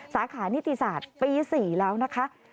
สาขานิติศาสตร์ปี๔แล้วนะคะ